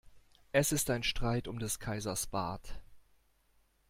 Es ist ein Streit um des Kaisers Bart.